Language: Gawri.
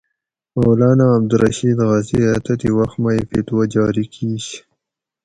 مولانا عبدالرشید غازی اۤ تتھیں وخ مئ فتوہ جاری کِیش